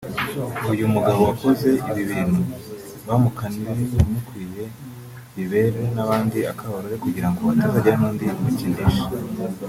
uyu mugabo wakoze ibi bintu bamukanire urumukwiye bibere n’abandi akabarore kugirango hatazagira n’undi ubikinisha